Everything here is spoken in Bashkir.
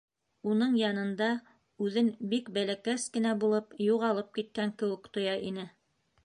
Уның янында үҙен, бик бәләкәс кенә булып, юғалып киткән кеүек тоя ине.